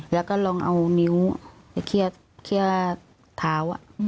แล้วก็ลองเอานิ้วแล้วเครียดเท้า